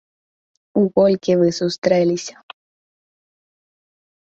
У колькі вы сустрэліся?